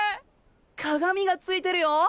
鏡がついてるよ！